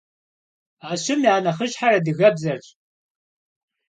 А щым я нэхъыщхьэр адыгэбзэрщ.